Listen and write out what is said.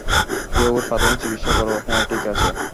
কেউ ওর প্রাথমিক চিকিৎসা করো - হ্যাঁ ঠিক আছে।